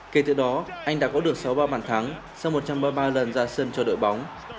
kể từ đó anh đã có được sáu ba bàn thắng sau một trăm ba mươi ba lần ra sân cho đội bóng